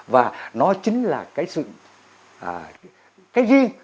và nó chính là cái riêng